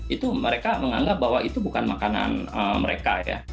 itu mereka menganggap bahwa itu bukan makanan mereka ya